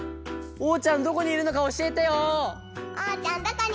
・おうちゃんどこにいるのかおしえてよ。